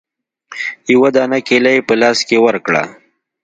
يوه دانه کېله يې په لاس کښې ورکړه.